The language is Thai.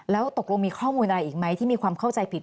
แล้วตกลงมีข้อมูลอะไรอีกไหมที่มีความเข้าใจผิด